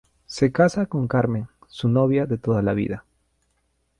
Se casa con Carmen, su novia de toda la vida.